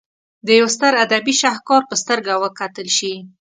د یوه ستر ادبي شهکار په سترګه وکتل شي.